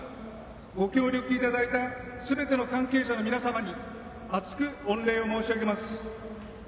ご協力いただいたすべての関係者の皆様に厚く御礼を申し上げます。